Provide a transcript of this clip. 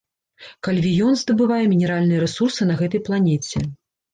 Кальвіён здабывае мінеральныя рэсурсы на гэтай планеце.